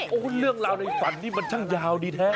โอ้โหเรื่องราวในฝันนี่มันช่างยาวดีแท้